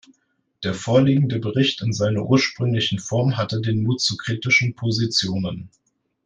Der vorliegende Bericht in seiner ursprünglichen Form hatte den Mut zu kritischen Positionen.